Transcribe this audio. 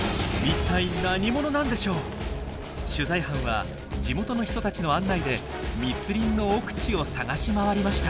取材班は地元の人たちの案内で密林の奥地を探し回りました。